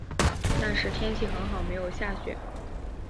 但是天气很好没有下雪